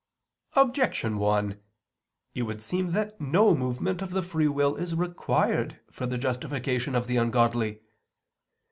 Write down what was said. Objection 1: It would seem that no movement of the free will is required for the justification of the ungodly.